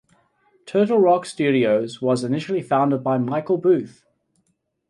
Turtle Rock Studios was initially founded by Michael Booth.